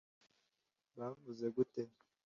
bavuze gute